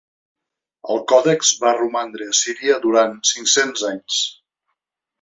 El còdex va romandre a Síria durant cinc-cents anys.